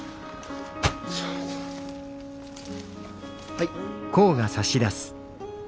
はい。